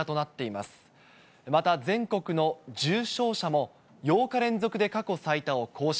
また全国の重症者も８日連続で過去最多を更新。